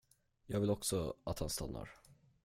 Jag vill också att han stannar.